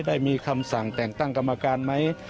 ได้มีคำสั่งแต่งตั้งกรรมการไหม